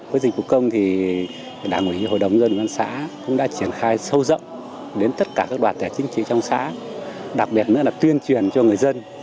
với dịch vụ công thì đảng ủy hội đồng dân văn xã cũng đã triển khai sâu rộng đến tất cả các đoàn thể chính trị trong xã đặc biệt nữa là tuyên truyền cho người dân